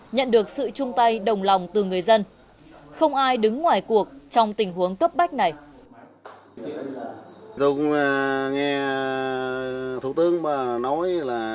nhận được sự chung tay đồng lòng từ người dân không ai đứng ngoài cuộc trong tình huống cấp bách này